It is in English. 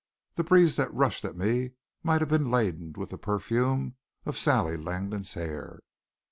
The breeze that rushed at me might have been laden with the perfume of Sally Langdon's hair.